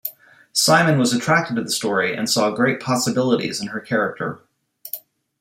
Simon was attracted to the story and saw "great possibilities" in her character.